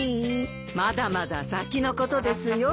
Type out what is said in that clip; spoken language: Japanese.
まだまだ先のことですよ。